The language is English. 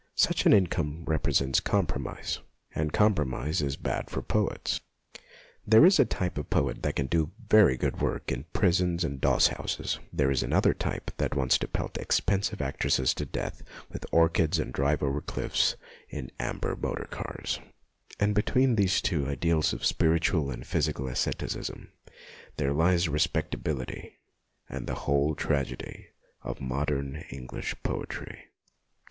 Such an income represents compromise, and com promise is bad for poets. There is a type of poet that can do very good work in prisons and doss houses ; there is the other 70 MONOLOGUES type that wants to pelt expensive actresses to death with orchids and drive over cliffs in amber motor cars ; and between these two ideals of spiritual and physical asceticism there lies respectability and the whole tragedy of modern English poetry.